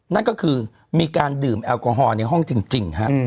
นั่นก็คือมีการดื่มแอลกอฮอลในห้องจริงฮะ